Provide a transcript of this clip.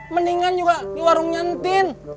mendingan juga di warung nyantin